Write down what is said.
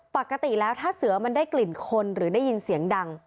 ปกติแล้วถ้าเสือมันได้กลิ่นคนหรือได้ยินเสียงดัง